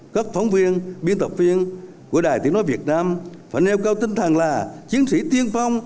các phóng viên biên tập viên của đại tiểu nói việt nam phải nêu cao tinh thàng là chiến sĩ tiên phong